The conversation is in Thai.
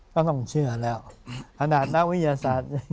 ก็ต้องเชื่อแล้วขนาดนักวิทยาศาสตร์